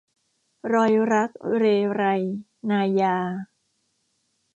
รอยรักเรไร - นายา